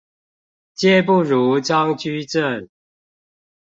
皆不如張居正